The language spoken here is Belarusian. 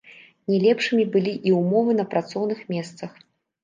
Не лепшымі былі і ўмовы на працоўных месцах.